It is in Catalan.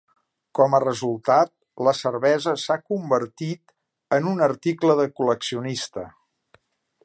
Com a resultat, la cervesa s'ha convertit en un article de col·leccionista.